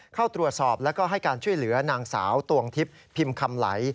เข้าตรวจสอบแล้วก็ให้การช่วยเหลือนางสาวตวงทิพย์พิมพ์คำไหล